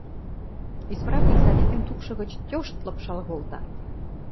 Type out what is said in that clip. Исправник Савикӹм тупшы гач тьошт лыпшал колта.